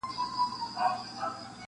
o د محبت کچکول په غاړه وړم د ميني تر ښار ,